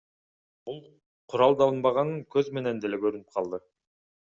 Бул куралданбаган көз менен деле көрүнүп калды.